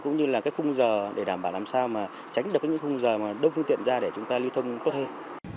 cũng như là cái khung giờ để đảm bảo làm sao mà tránh được những khung giờ mà đông phương tiện ra để chúng ta lưu thông tốt hơn